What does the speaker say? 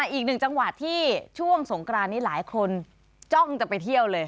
อีกหนึ่งจังหวัดที่ช่วงสงกรานนี้หลายคนจ้องจะไปเที่ยวเลย